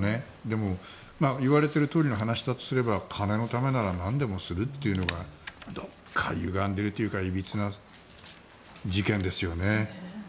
でも言われているとおりの話だとすれば金のためならなんでもするというのがどこかゆがんでいるというかいびつな事件ですよね。